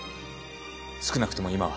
少なくとも今は